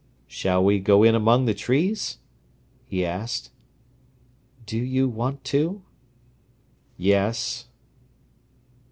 "Shall we go in among the trees?" he asked. "Do you want to?" "Yes."